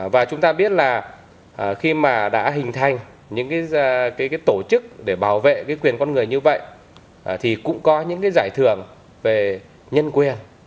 và chúng ta biết là khi mà đã hình thành những tổ chức để bảo vệ quyền con người như vậy thì cũng có những giải thưởng về nhân quyền